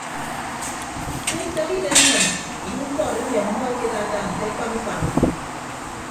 Ke ntak inem mmịn ye ukọt emi ọmmọ ekedatta nte akpan ufan ọmmọ.